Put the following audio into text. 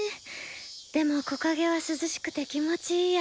でも木陰は涼しくて気持ちいいや。